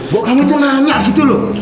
bukan itu nanya gitu loh